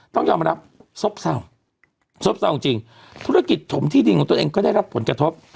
ต้องยอมรับซบเศร้าซบเศร้าจริงธุรกิจถมที่ดินของตัวเองก็ได้รับผลกระทบ